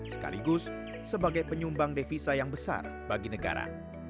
sekaligus sebagai penyumbang devisa yang besar bagi negara